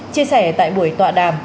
chia sẻ tại buổi tọa đàm